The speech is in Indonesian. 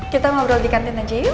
kita ngobrol di kantin aja yuk